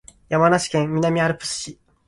山梨県南アルプス市